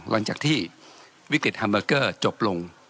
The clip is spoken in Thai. หลังจากที่วิกฤตฮัมเบอร์เกอร์จบลง